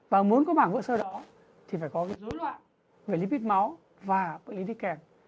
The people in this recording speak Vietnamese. và muốn có mảng vữa sơ đó thì phải có dối loạn về lipid máu và bệnh lý kèm